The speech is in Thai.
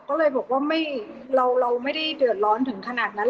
ก็เลยบอกว่าเราไม่ได้เดือดร้อนถึงขนาดนั้น